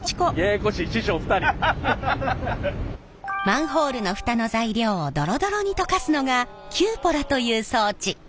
マンホールの蓋の材料をドロドロに溶かすのがキューポラという装置。